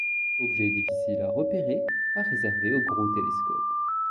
Objet difficile à repérer, à réserver aux gros télescopes.